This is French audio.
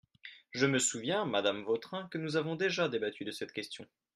Je me souviens, madame Vautrin, que nous avons déjà débattu de cette question.